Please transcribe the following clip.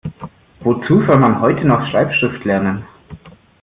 Wozu soll man heute noch Schreibschrift lernen?